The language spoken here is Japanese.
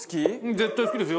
絶対好きですよ。